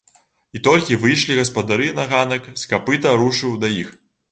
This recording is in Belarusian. І толькі выйшлі гаспадары на ганак, з капыта рушыў да іх.